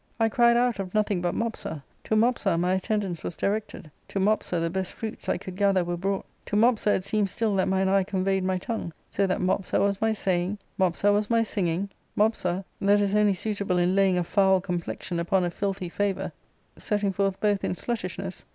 I cried out of nothing but Mopsa ; to Mopsa my attendance was directed ; to Mopsa the best fruits I could gather were brought ; to Mopsa it seemed still that mine eye conveyed my tongue, so that Mopsa was my saying, Mopsa was my singing, Mopsa — that is only suitable in laying a foul com plexion upon a filthy favour, setting forth both in sluttishness ARCADIA.